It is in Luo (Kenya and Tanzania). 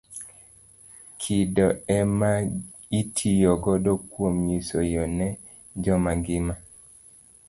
Kido ema itiyo godo kuom nyiso yoo ne joma ngima.